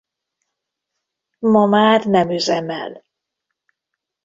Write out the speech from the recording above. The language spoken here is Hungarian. Ma már nem üzemel.